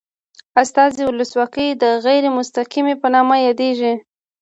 استازي ولسواکي د غیر مستقیمې په نامه یادیږي.